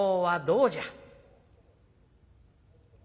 どうじゃ？